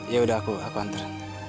ya udah aku aku antar